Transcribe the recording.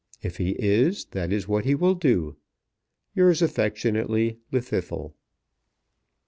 If he is, that is what he will do. Yours affectionately, LLWDDYTHLW.